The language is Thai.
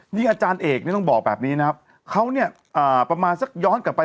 นี่อาจารย์เอกนี่ต้องบอกแบบนี้นะครับเขาเนี่ยประมาณสักย้อนกลับไป